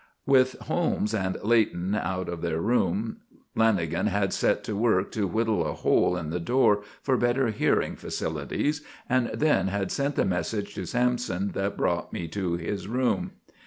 With Holmes and Leighton out of their room, Lanagan had set to work to whittle a hole in the door for better hearing facilities, and then had sent the message to Sampson that brought me to his room.